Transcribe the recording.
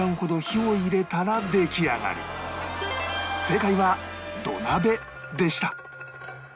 正解は土鍋でした